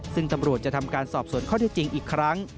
ซึ่งตำรวจจะทำการสอบสวนข้อที่จริงอีกครั้ง